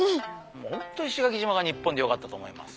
もう本当石垣島が日本でよかったと思います。